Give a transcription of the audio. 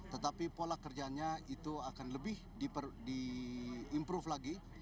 tetapi pola kerjanya itu akan lebih diimprove lagi